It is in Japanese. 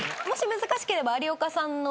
難しければ。